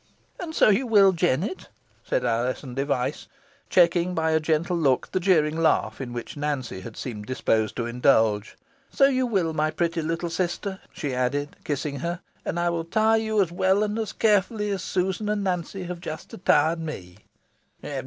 "And so you will, Jennet," said Alizon Device, checking, by a gentle look, the jeering laugh in which Nancy seemed disposed to indulge "so you will, my pretty little sister," she added, kissing her; "and I will 'tire you as well and as carefully as Susan and Nancy have just 'tired me."